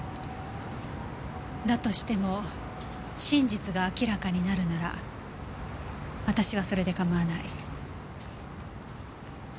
だとしても真実が明らかになるなら私はそれでかまわない。